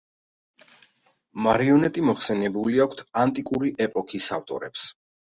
მარიონეტი მოხსენიებული აქვთ ანტიკური ეპოქის ავტორებს.